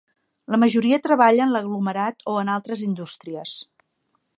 La majoria treballa en l'aglomerat o en altres indústries.